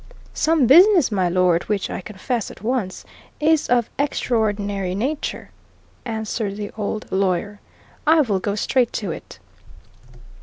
"Some business, my lord, which, I confess at once, is of extraordinary nature," answered the old lawyer. "I will go straight to it.